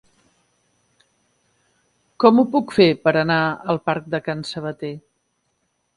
Com ho puc fer per anar al parc de Can Sabater?